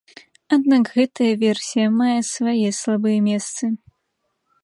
Аднак гэтая версія мае свае слабыя месцы.